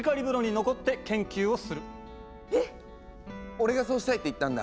俺がそうしたいって言ったんだ。